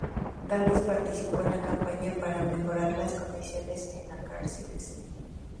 Davis participó en la campaña para mejorar las condiciones en las cárceles.